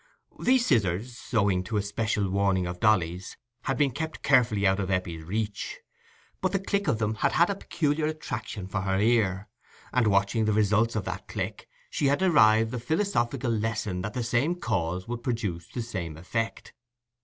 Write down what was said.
These scissors, owing to an especial warning of Dolly's, had been kept carefully out of Eppie's reach; but the click of them had had a peculiar attraction for her ear, and watching the results of that click, she had derived the philosophic lesson that the same cause would produce the same effect.